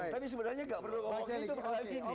tapi sebenarnya nggak perlu ngomong gitu ngomong gini